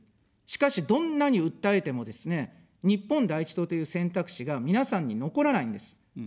しかし、どんなに訴えてもですね、日本第一党という選択肢が皆さんに残らないんです。